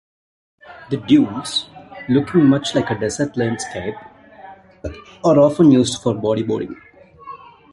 The dunes, looking much like a desert landscape, are often used for bodyboarding.